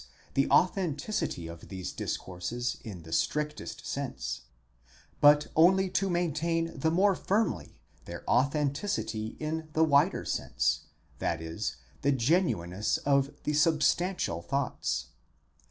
the authenticity of these discourses in the strictest sense ; but only to maintain the more firmly their authenticity in the wider sense, i.e. the genuineness of the substantial thoughts.